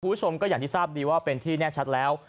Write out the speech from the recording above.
คุณผู้ชมก็อย่างที่ทราบดีว่าเป็นที่แน่ชัดแล้ว